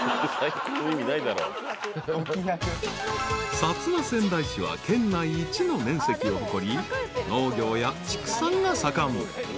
［薩摩川内市は県内一の面積を誇り農業や畜産が盛ん］